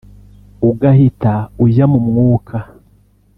ugahita ujya mu mwuka